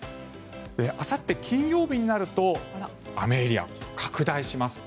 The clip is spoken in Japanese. あさって金曜日になると雨エリア、拡大します。